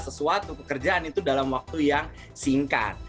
sesuatu pekerjaan itu dalam waktu yang singkat